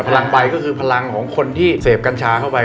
พลังไปก็คือพลังของคนที่เสพกัญชาเข้าไป